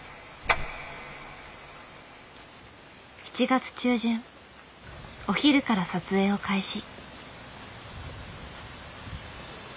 ７月中旬お昼から撮影を開始。